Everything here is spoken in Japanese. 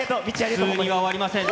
普通には終わりません。